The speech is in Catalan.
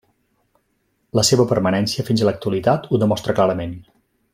La seva permanència fins a l'actualitat ho demostra clarament.